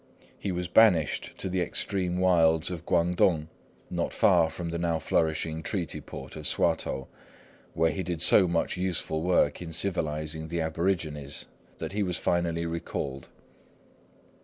He was banished to the extreme wilds of Kuangtung, not far from the now flourishing Treaty Port of Swatow, where he did so much useful work in civilising the aborigines, that he was finally recalled.